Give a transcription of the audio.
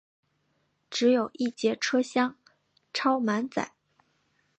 只有一节车厢超满载